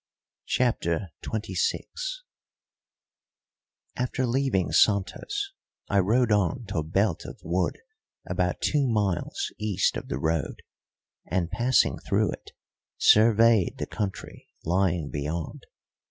CHAPTER XXVI After leaving Santos I rode on to a belt of wood about two miles east of the road, and, passing through it, surveyed the country lying beyond.